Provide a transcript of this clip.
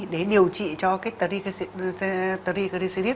để điều trị cho cái triglycerides